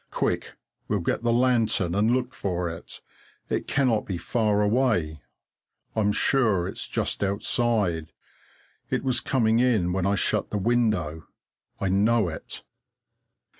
Quick, we'll get the lantern and look for it. It cannot be far away; I'm sure it's just outside it was coming in when I shut the window, I know it.